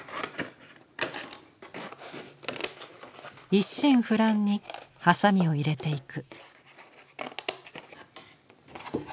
一心不乱にハサミを入れていく。